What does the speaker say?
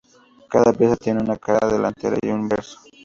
Cada pieza tiene una cara delantera y un reverso.